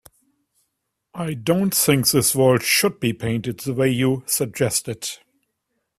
I don't think this wall should be painted the way you suggested.